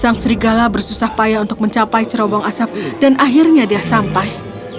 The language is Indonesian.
sang serigala bersusah payah untuk mencapai cerobong asap dan akhirnya dia sampai